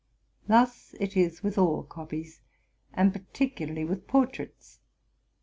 Thus it is with all copies, and particularly with por traits.